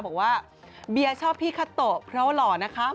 บอกว่าเบียชอบพี่คาโตะเพราะว่าหล่อนะคะ